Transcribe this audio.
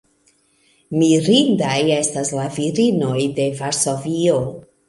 Mirindaj estas la virinoj de Varsovio.